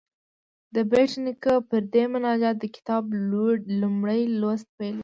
د بېټ نیکه پر دې مناجات د کتاب لومړی لوست پیلوو.